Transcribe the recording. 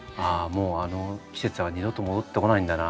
もうあの季節は二度と戻ってこないんだな。